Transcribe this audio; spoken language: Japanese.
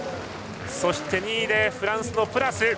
そして２位でフランスのプラス。